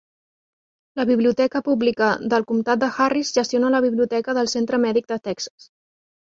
La Biblioteca Pública del Comtat de Harris gestiona la Biblioteca del Centre Mèdic de Texas.